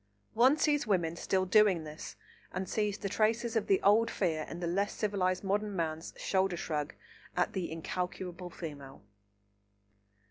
One sees women still doing this, and sees the traces of the old fear in the less civilised modern man's shoulder shrug at the incalculable female.